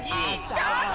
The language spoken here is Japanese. ちょっと！